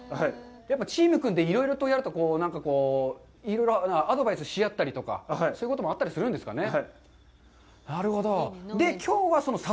やっぱりチーム組んでいろいろやるといろいろアドバイスし合ったりとか、そういうこともあったりするんですかね。